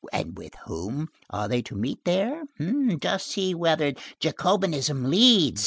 And with whom are they to meet there? Just see whither Jacobinism leads.